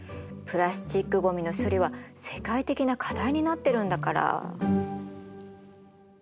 プラスチックごみの処理は世界的な課題になってるんだから。